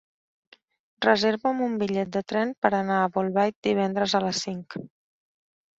Reserva'm un bitllet de tren per anar a Bolbait divendres a les cinc.